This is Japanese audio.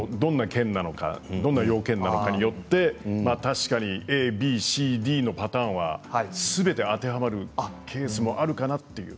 どんな用件なのかによって確かにＡＢＣＤのパターンはすべて当てはまるケースもあるかなと。